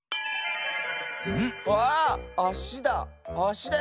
わああしだ。